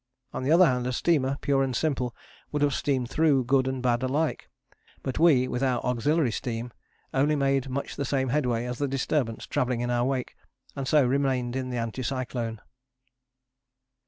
On the other hand, a steamer pure and simple would have steamed through good and bad alike. But we, with our auxiliary steam, only made much the same headway as the disturbance travelling in our wake, and so remained in the anticyclone.